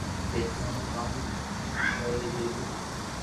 جي ٿني ھون ڪاو کپي جي ديو